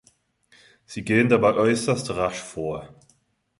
Sie gehen dabei äußerst rasch vor.